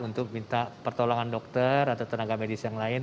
untuk minta pertolongan dokter atau tenaga medis yang lain